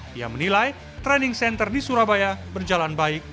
dia menilai training center di surabaya berjalan baik